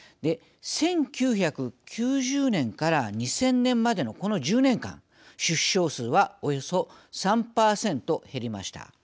１９９０年から２０００年までのこの１０年間、出生数はおよそ３％減りました。